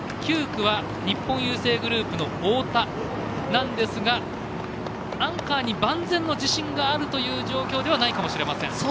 ９区は日本郵政グループの太田なんですが、アンカーに万全の自信があるという状況ではないかもしれません。